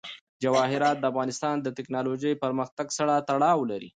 جواهرات د افغانستان د تکنالوژۍ پرمختګ سره تړاو لري.